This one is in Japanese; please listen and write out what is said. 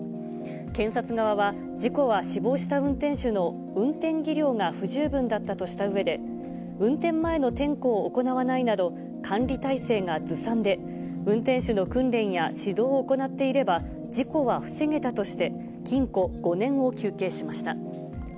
検察側は、事故は死亡した運転手の運転技量が不十分だったとしたうえで、運転前の点呼を行わないなど、管理体制がずさんで、運転手の訓練や指導を行っていれば、事故は防げたとして、禁錮５年を求刑しました。